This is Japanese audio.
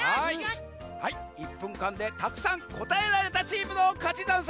はい１ぷんかんでたくさんこたえられたチームのかちざんす！